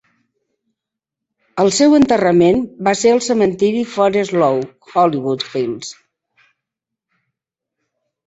El seu enterrament va ser al cementiri Forest Lawn - Hollywood Hills.